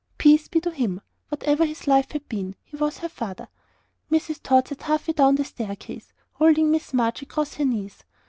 Peace be to him! whatever his life had been, he was HER father. Mrs. Tod sat half way down the stair case, holding Ursula March across her knees.